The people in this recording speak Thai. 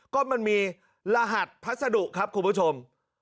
ก็มันมีรหัสพัสดุครับคุณผู้ชม